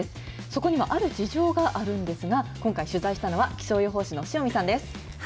そこにはある事情があるんですが、今回、取材したのは気象予報士の塩見さんです。